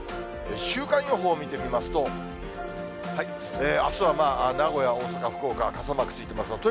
週間予報を見てみますと、あすは名古屋、大阪、福岡、傘マークついています。